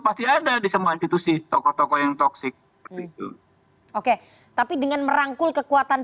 pasti ada di semua institusi tokoh tokoh yang toksik itu oke tapi dengan merangkul kekuatan